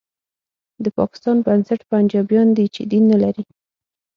د پاکستان بنسټ پنجابیان دي چې دین نه لري